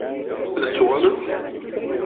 Ad d-tuɣalem?